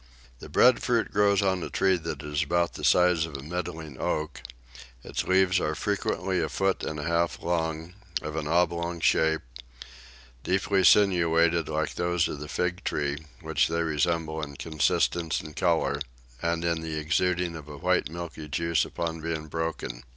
The breadfruit grows on a tree that is about the size of a middling oak; its leaves are frequently a foot and a half long, of an oblong shape, deeply sinuated like those of the fig tree, which they resemble in consistence and colour, and in the exuding of a white milky juice upon being broken.